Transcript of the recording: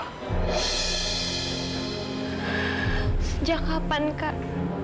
sejak kapan kak